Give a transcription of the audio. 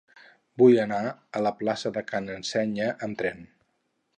Vull anar a la plaça de Ca n'Ensenya amb tren.